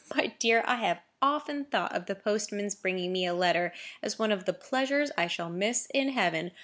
My dear, I have often thought of the postman's bringing me a letter as one of the pleasures I shall miss in heaven.